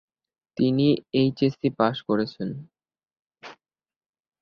তিনি এইচএসসি পাশ করেছেন।